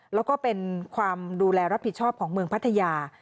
แล้วก็เป็นความดูแลรับผิดชอบของเมืองพัทยา